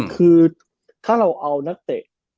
คือถ้าเราเอานักเตะ